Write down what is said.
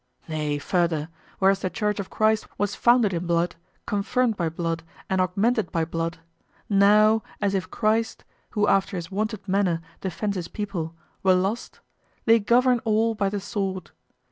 Nay, further, whereas the Church of Christ was founded in blood, confirmed by blood, and augmented by blood, now, as if Christ, who after his wonted manner defends his people, were lost, they govern all by the sword.